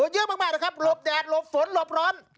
เยอะมากนะครับหลบแดดหลบฝนหลบร้อน